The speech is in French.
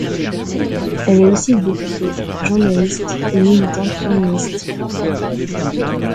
Elle est aussi députée, journaliste et militante féministe.